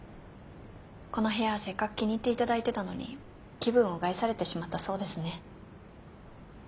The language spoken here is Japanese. この部屋せっかく気に入っていただいてたのに気分を害されてしまったそうですね。